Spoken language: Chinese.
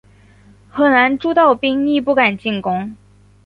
河南诸道兵亦不敢进攻。